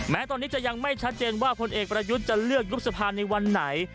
แม้ตอนนี้จะยังไม่ชัดเจนว่าพลเอกประยุทธ์จะเลือกยุบสภาในวันไหน